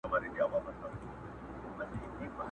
راسه له ساحله د نهنګ خبري نه کوو٫